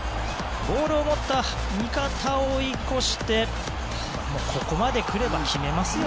ボールを持った味方を追い越してここまで来れば決めますよ